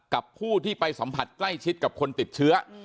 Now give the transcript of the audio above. กับผู้ที่ไปสัมผัสใกล้ชิดกับคนติดเชื้อ